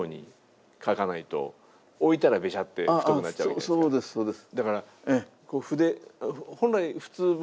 ああそうですそうです。